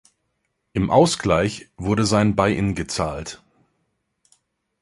Im Ausgleich wurde sein Buy-in gezahlt.